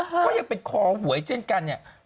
ก็ยังเป็นคอหวยเช่นกันเนี่ย